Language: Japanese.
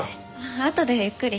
あとでゆっくり。